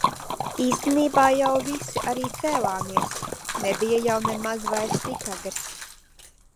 Īstenībā jau visi arī cēlāmies, nebija jau nemaz vairs tik agrs.